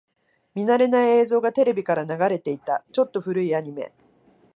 見慣れない映像がテレビから流れていた。ちょっと古いアニメ。